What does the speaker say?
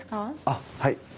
あっはい。